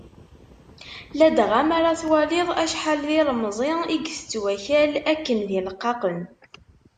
Ladɣa mi ara twaliḍ acḥal d ilemẓi i itett wakal akken d ileqqaqen.